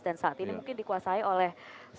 dan saat ini mungkin dikuasai orang lain